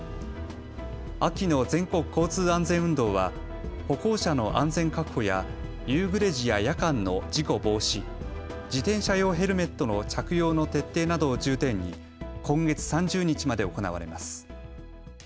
秋の全国交通安全運動は歩行者の安全確保や夕暮れ時や夜間の事故防止、自転車用ヘルメットの着用の徹底などを重点に今月３０日まで行われます。